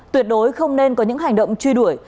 tuyệt đối không nên có những hành động truy đuổi